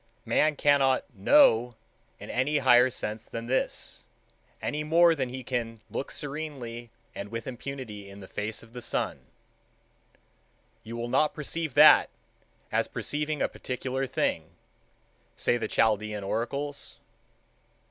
Man cannot know in any higher sense than this, any more than he can look serenely and with impunity in the face of the sun: ?? t? ????,?? ?e???? ???se??,—"You will not perceive that, as perceiving a particular thing," say the Chaldean Oracles.